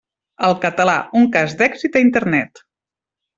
El català, un cas d'èxit a Internet.